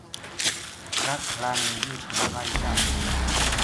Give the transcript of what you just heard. ٹرک ہالا نے یہ پھلاوائی لاہ چھُڑیا